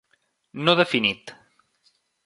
no definit